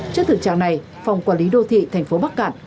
trước thực trạng này phòng quản lý đô thị thành phố bắc cạn